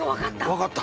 分かった。